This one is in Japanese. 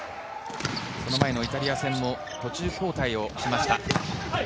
その前のイタリア戦を途中交代をしました。